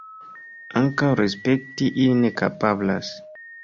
Ankaŭ respekti ili ne kapablas.